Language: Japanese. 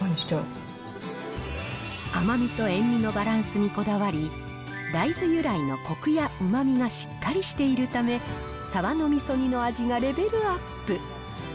甘みと塩味のバランスにこだわり、大豆由来のこくやうまみがしっかりしているため、サバのみそ煮の味がレベルアップ。